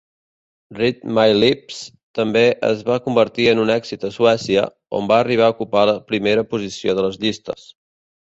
"Read My Lips" també es va convertir en un èxit a Suècia, on va arribar a ocupar la primera posició de les llistes.